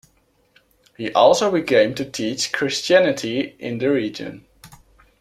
They also began to teach Christianity in the region.